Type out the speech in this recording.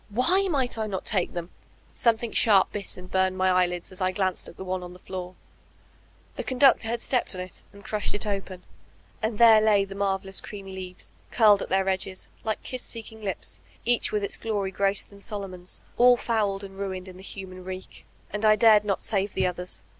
Why might I not take them? Something sharp bit and burned my eyelids as I glanced at the one on the floor. The conductor had stefified on it and crushed it open; and there lay the marvekNis creamy leaves, curled at their edges like Idss seeking lips, each with its glory greater than Solomon's, all fouled and ruined in the human reek. And I dared not save the others!